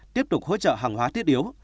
tiếp tục hỗ trợ hàng hóa thiết yếu